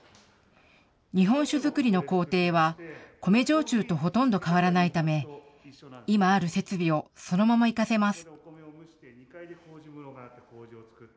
日本酒造りの工程は、米焼酎とほとんど変わらないため、今ある設備をそのまま生かせます。